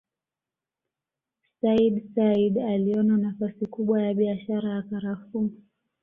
Sayyid Said aliona nafasi kubwa ya biashara ya Karafuu